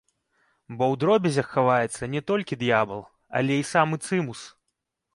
Бо ў дробязях хаваецца не толькі д'ябал, але і самы цымус.